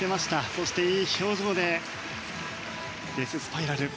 そして、いい表情でデススパイラル。